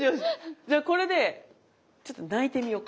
じゃあこれでちょっと泣いてみようか。